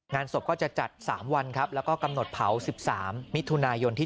งานศพก็จะจัด๓วันครับแล้วก็กำหนดเผา๑๓มิถุนายนที่